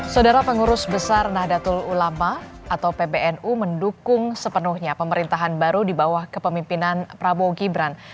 saudara pengurus besar nahdlatul ulama atau pbnu mendukung sepenuhnya pemerintahan baru di bawah kepemimpinan prabowo gibran